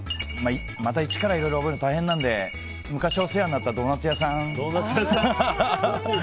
また１からいろいろ覚えるの大変なので昔お世話になったドーナツ屋さん。